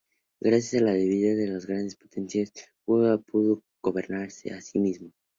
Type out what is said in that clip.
Gracias a la debilidad de las grandes potencias, Judá pudo gobernarse a sí mismo.